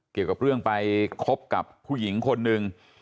เกี่ยวกับเรื่องไปคบกับผู้หญิงคนหนึ่ง